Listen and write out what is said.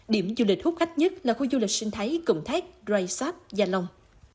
điểm du lịch hút khách nhất là khu du lịch sinh thái cầm thác drei sáp gia long